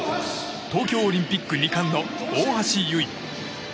東京オリンピック２冠の大橋悠依。